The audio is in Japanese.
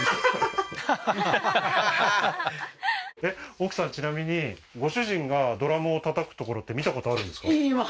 奥さんちなみにご主人がドラムを叩く所って見たことあるんですか？